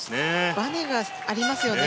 ばねがありますよね。